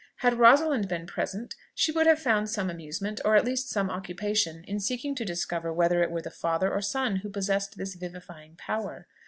Had Rosalind been present, she would have found some amusement, or at least some occupation, in seeking to discover whether it were the father or son who possessed this vivifying power.